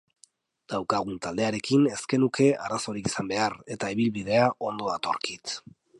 Daukagun taldearekin ez genuke arazorik izan behar, eta ibilbidea ondo datorkit.